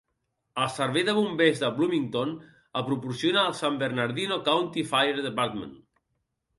El servei de bombers de Bloomington el proporciona el San Bernardino County Fire Dept.